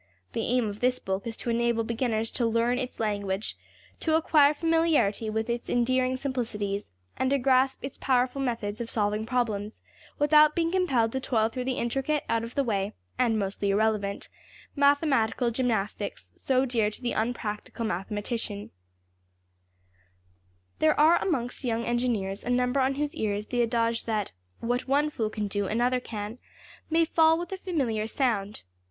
The aim of this book is to enable beginners to learn its language, to acquire familiarity with its endearing simplicities, and to grasp its powerful methods of solving problems, without being compelled to toil through the intricate out of the way (and mostly irrelevant) mathematical gymnastics so dear to the unpractical mathematician. \DPPageSep{263.png}% There are amongst young engineers a number on whose ears the adage that \emph{what one fool can do, another can}, may fall with a familiar sound.